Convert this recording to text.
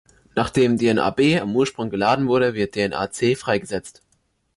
Nachdem dnaB am Ursprung geladen wurde, wird dnaC freigesetzt..